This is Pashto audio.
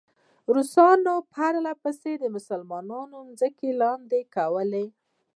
روسان پرله پسې د مسلمانانو ځمکې لاندې کولې.